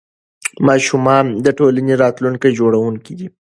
ماشومان د ټولنې راتلونکي جوړونکي دي.